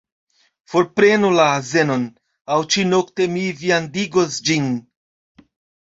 Forprenu la azenon, aŭ ĉi-nokte mi viandigos ĝin.